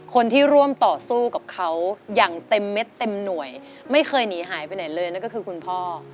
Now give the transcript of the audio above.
คนที่ร่วมต่อสู้กับเขาอย่างเต็มเม็ดเต็มหน่วยไม่เคยหนีหายไปไหนเลยนั่นก็คือคุณพ่อ